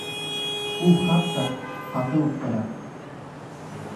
Ул хатта, ҡаты үпкәләп: